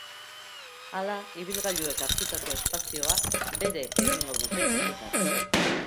Hala, ibilgailuek hartutako espazioa bere egingo dute herritarrek.